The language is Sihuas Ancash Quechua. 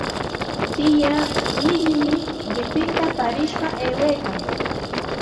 Tiyaa Mallimi qipinta aparishqa aywaykan.